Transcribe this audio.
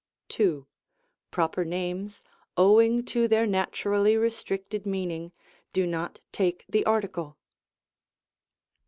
2. Proper names, owing to their naturally restricted meaning, do not take the article.